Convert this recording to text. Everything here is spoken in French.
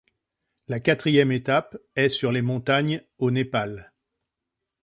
La quatrième étape est sur les montagnes au Népal.